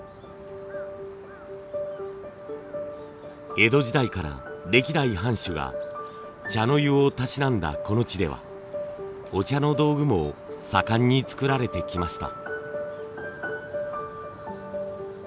江戸時代から歴代藩主が茶の湯をたしなんだこの地ではお茶の道具も盛んに作られてきました。